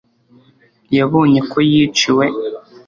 yabonye ko yiciwe